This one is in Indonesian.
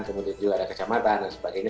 kemudian juga ada kecamatan dan sebagainya